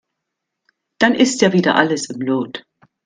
Dann ist ja wieder alles im Lot.